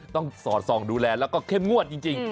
ต้องสอดสองดูแลและเค่มงวดจริง